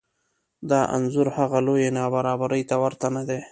دا انځور هغه لویې نابرابرۍ ته ورته نه دی